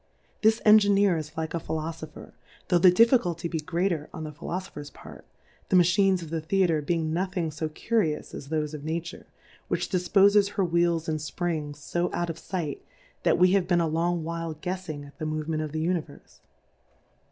This Engineer is like a Philo fopher, tho' the Difficulty be greater on the Philofopher's part, the Machines of the Theatre being nothing fo Curi ous as thofe of Nature, which difpofes her Wheels and Springs fo out of fight, that we have been a long while guefs ing at the Movement of the Univerfe.